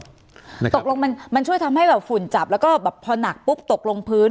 ตกลงมันช่วยทำให้แบบฝุ่นจับแล้วก็แบบพอหนักปุ๊บตกลงพื้น